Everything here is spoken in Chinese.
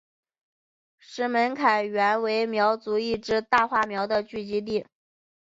石门坎原为苗族一支大花苗的聚居地。